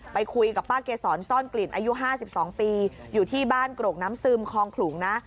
ไปคุยกับป้าเกษรซ่อนกลิ่นอายุ๕๒ปีอยู่ที่บ้านกรกน้ำซึมคลองขลุงนะ